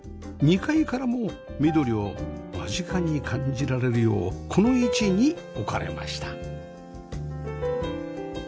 ２階からも緑を間近に感じられるようこの位置に置かれました